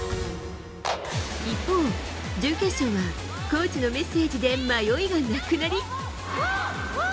一方、準決勝はコーチのメッセージで迷いがなくなり。